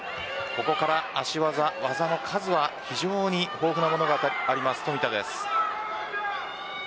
ここから足技、技の数は非常に豊富なものがある冨田です。